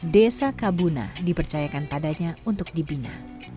desa kabuna dipercayakan padanya untuk dibina